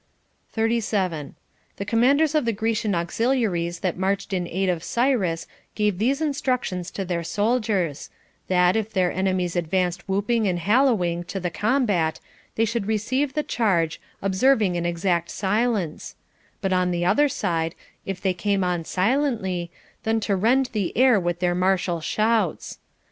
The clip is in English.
37. The commanders of the Grecian auxiliaries that marched in aid of Cyrus gave these instructions to their soldiers, that, if their enemies advanced whooping and hal lowing to the combat, they should receive the charge, observing an exact silence ; but on the other side, if they came on silently, then to rend the air with their martial shouts.